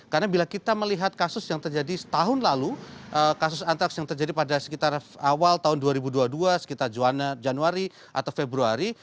karena bila kita melihat kasus yang terjadi setahun lalu kasus antraks yang terjadi pada sekitar awal tahun dua ribu dua puluh dua sekitar januari atau februari